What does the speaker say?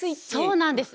そうなんです。